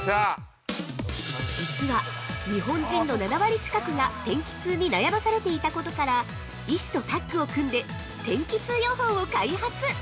◆実は日本人の７割近くが天気痛に悩まされていたことから医師とタッグを組んで、天気痛予報を開発！